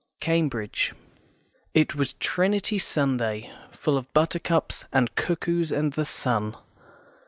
CAMBRIDGE. It was Trinity Sunday, full of buttercups and cuckoos and the sun.